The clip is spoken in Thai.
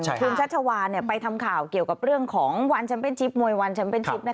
คุณชัชวานไปทำข่าวเกี่ยวกับเรื่องของวันแชมเป็นชิปมวยวันแชมเป็นชิป